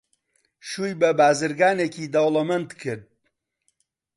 شووی بە بازرگانێکی دەوڵەمەند کرد.